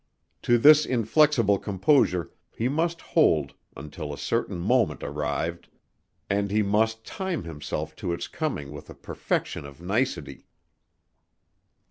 To this inflexible composure he must hold until a certain moment arrived, and he must time himself to its coming with a perfection of nicety.